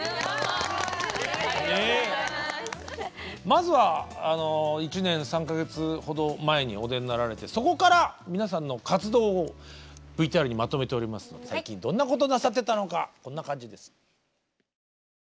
まずは１年３か月ほど前にお出になられてそこから皆さんの活動をＶＴＲにまとめておりますので最近どんなことなさってたのかこんな感じです。